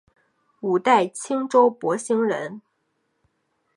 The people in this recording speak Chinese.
五代青州博兴人。